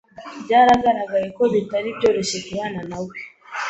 Byaragaragaye ko bitari byoroshye kubana na we.